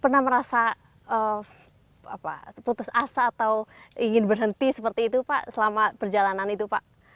pernah merasa putus asa atau ingin berhenti seperti itu pak selama perjalanan itu pak